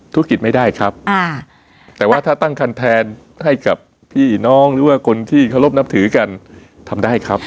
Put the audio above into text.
ธุรกิจไม่ได้ครับแต่ว่าถ้าตั้งคันแทนให้กับพี่น้องหรือว่าคนที่เคารพนับถือกันทำได้ครับ